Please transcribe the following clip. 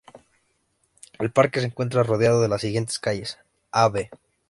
El parque se encuentra rodeado de las siguientes calles: Av.